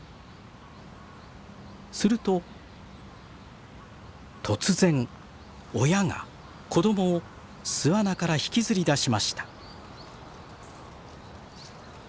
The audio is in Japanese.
すると突然親が子供を巣穴から引きずり出しました。